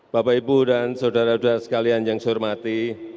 bapak ibu dan saudara saudara sekalian yang saya hormati